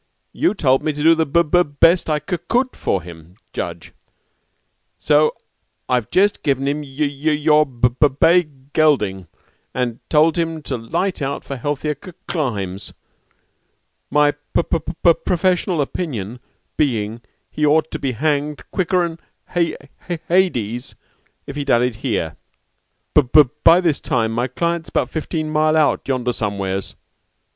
You told me to do the b b best I c could for him, judge, so I've jest given him y your b b bay gelding, an' told him to light out for healthier c climes, my p p professional opinion being he'd be hanged quicker'n h h hades if he dallied here. B by this time my client's 'bout fifteen mile out yonder somewheres.